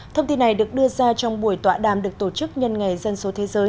thông tin này được đưa ra trong buổi tọa đàm được tổ chức nhân ngày dân số thế giới